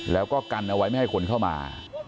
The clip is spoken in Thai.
แล้วก็กันเอาไว้ไม่ให้คนเข้ามา